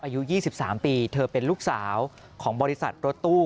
อายุ๒๓ปีเธอเป็นลูกสาวของบริษัทรถตู้